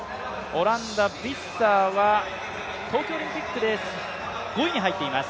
オランダ、ビッサーは東京オリンピックで５位に入っています。